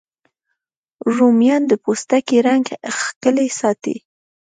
رومیان د پوستکي رنګ ښکلی ساتي